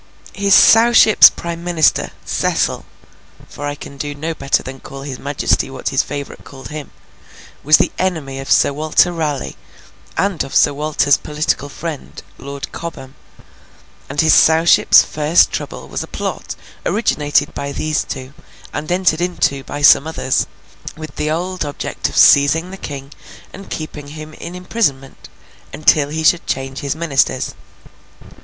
His Sowship's prime Minister, Cecil (for I cannot do better than call his majesty what his favourite called him), was the enemy of Sir Walter Raleigh, and also of Sir Walter's political friend, Lord Cobham; and his Sowship's first trouble was a plot originated by these two, and entered into by some others, with the old object of seizing the King and keeping him in imprisonment until he should change his ministers.